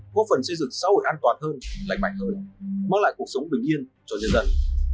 có phần xây dựng xã hội an toàn hơn lạnh mạnh hơn mở lại cuộc sống bình yên cho dân dân